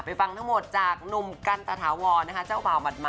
ไปฟังทั้งหมดจากหนุ่มกันตธาวรเจ้าเบาบาด